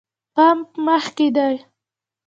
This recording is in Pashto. پمپ مخکې ده